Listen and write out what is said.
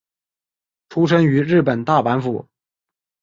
出身于日本大阪府。